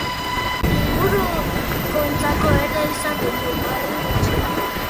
Ingurukoentzako ere izan ditu harribitxiak.